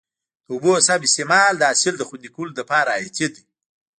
د اوبو سم استعمال د حاصل د خوندي کولو لپاره حیاتي دی.